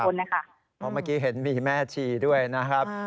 เพราะเมื่อกี้เห็นมีแม่ชีด้วยนะครับ